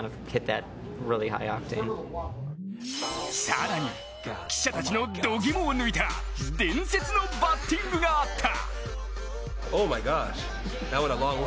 更に記者たちのどぎもを抜いた伝説のバッティングがあった。